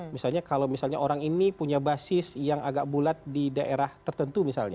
misalnya kalau misalnya orang ini punya basis yang agak bulat di daerah tertentu misalnya